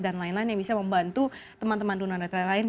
dan lain lain yang bisa membantu teman teman dunia internet lain lain